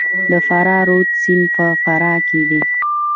د فرا رود سیند په فراه کې دی